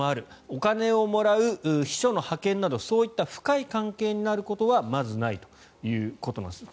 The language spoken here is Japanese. お金をもらう、秘書の派遣などそういった深い関係になることはまずないということなんですね。